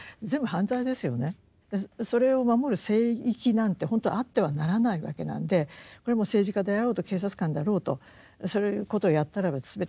それを守る聖域なんて本当はあってはならないわけなんでこれもう政治家であろうと警察官だろうとそういうことをやったらば全て犯罪です。